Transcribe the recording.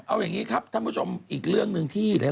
เอาอย่างนี้ครับท่านผู้ชมอีกเรื่องหนึ่งที่